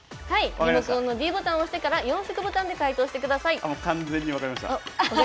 リモコンのｄボタンを押してから４色ボタンで回答してください。